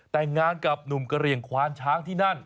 แต่งงานกับหนุ่มกระเหลี่ยงควานช้างที่นั่น